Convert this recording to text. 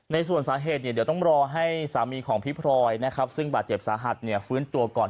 ในส่วนสาเหตุเดี๋ยวต้องรอให้สามีของพี่พลอยซึ่งบาทเจ็บสาหัสฟื้นตัวก่อน